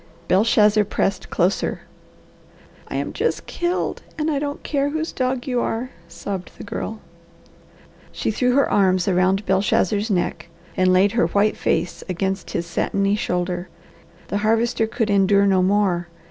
Belshazzar pressed closer. "I am just killed, and I don't care whose dog you are," sobbed the girl. She threw her arms around Belshazzar's neck and laid her white face against his satiny shoulder. The Harvester could endure no more.